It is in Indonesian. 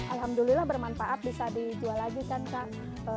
alhamdulillah bermanfaat bisa dijual lagi kan kak